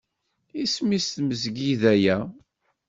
Isem-is tmezgida-a.